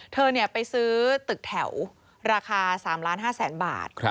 เธอไปซื้อตึกแถวราคา๓๕๐๐๐๐บาท